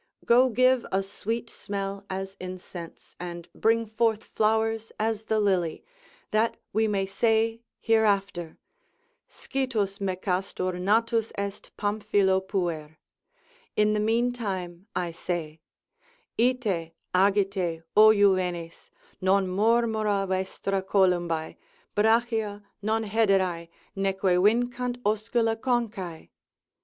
Go give a sweet smell as incense, and bring forth flowers as the lily: that we may say hereafter, Scitus Mecastor natus est Pamphilo puer. In the meantime I say, Ite, agite, O juvenes, non murmura vestra columbae, Brachia, non hederae, neque vincant oscula conchae.